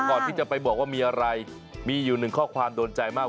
ก่อนที่จะไปบอกว่ามีอะไรมีอยู่หนึ่งข้อความโดนใจมาก